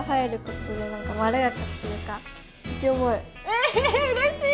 えうれしい！